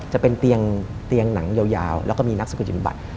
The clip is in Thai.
จะเป็นเตียงหนังยาวแล้วก็มีนักสกุจินบัติ